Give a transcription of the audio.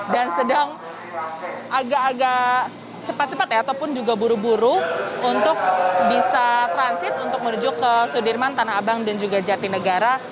sedang agak agak cepat cepat ya ataupun juga buru buru untuk bisa transit untuk menuju ke sudirman tanah abang dan juga jatinegara